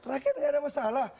rakyat enggak ada masalah